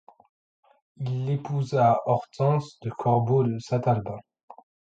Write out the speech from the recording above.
Il épousa Hortense de Corbeau de Saint-Albin.